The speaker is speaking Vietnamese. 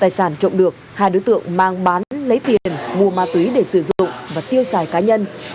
tài sản trộm được hai đối tượng mang bán lấy tiền mua ma túy để sử dụng và tiêu xài cá nhân